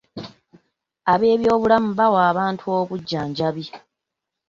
Ab'ebyobulamu bawa abantu obujjanjabi.